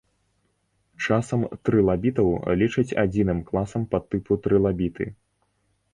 Часам трылабітаў лічаць адзіным класам падтыпу трылабіты.